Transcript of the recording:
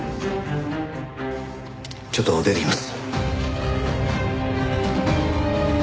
ちょっと出てきます。